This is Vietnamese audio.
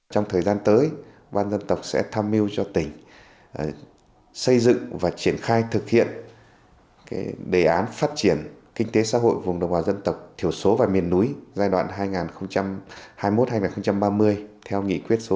trong thời gian tới ban dân tộc sẽ tham mưu cho tỉnh xây dựng và triển khai thực hiện đề án phát triển kinh tế xã hội vùng đồng hòa dân tộc thiểu số và miền núi giai đoạn hai nghìn hai mươi